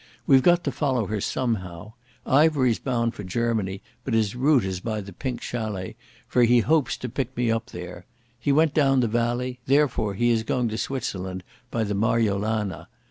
We've got to follow her somehow. Ivery's bound for Germany, but his route is by the Pink Chalet, for he hopes to pick me up there. He went down the valley; therefore he is going to Switzerland by the Marjolana.